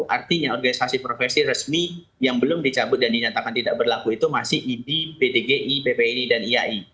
artinya organisasi profesi resmi yang belum dicabut dan dinyatakan tidak berlaku itu masih idi ptgi ppi dan iai